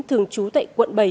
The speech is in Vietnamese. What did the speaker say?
thường trú tại quận bảy